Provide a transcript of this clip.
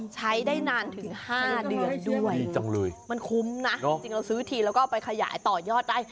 ใช้ได้นานถึง๕เดือนด้วยดีจังเลยมันคุ้มนะจริงเราซื้อทีแล้วก็ไปขยายต่อยอดได้